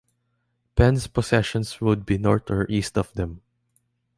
Penn's possessions would be north or east of them.